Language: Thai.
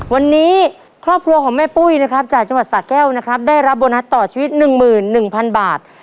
วันนี้ครอบครัวของแม่ปุ้ยนะครับจากจังหวัดสะแก้วนะครับได้รับโบนัสต่อชีวิต๑๑๐๐๐บาท